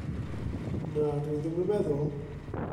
Na, dw i ddim yn meddwl.